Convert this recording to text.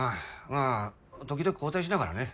まあ時々交代しながらね。